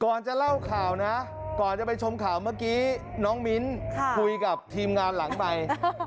จะเล่าข่าวนะก่อนจะไปชมข่าวเมื่อกี้น้องมิ้นคุยกับทีมงานหลังใหม่